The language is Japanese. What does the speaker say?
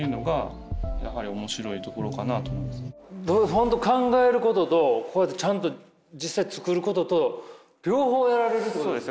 本当考えることとこうやってちゃんと実際作ることと両方やられるってことですね？